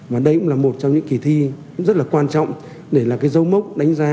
và đây cũng là một trong những kỳ thi rất là quan trọng để là cái dấu mốc đánh giá